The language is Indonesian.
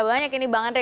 banyak ini bang andre